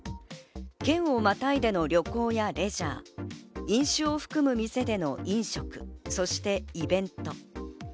県をまたいでの旅行やレジャー、飲酒を含む店での飲食、そしてイベント。